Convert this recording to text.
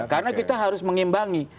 karena kita harus mengimbangi